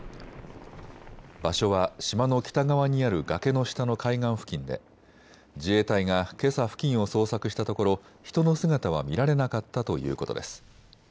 場所は島の北側にある崖の下の海岸付近で自衛隊がけさ付近を捜索したところ人の姿は見られなかったということです。